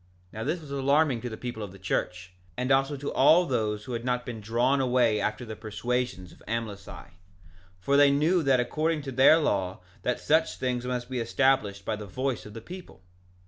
2:3 Now this was alarming to the people of the church, and also to all those who had not been drawn away after the persuasions of Amlici; for they knew that according to their law that such things must be established by the voice of the people.